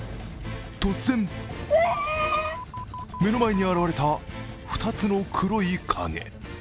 突然、目の前に現れた２つの黒い影。